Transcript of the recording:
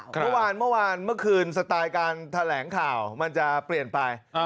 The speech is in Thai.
เมื่อวานเมื่อวานเมื่อคืนสไตล์การแถลงข่าวมันจะเปลี่ยนไป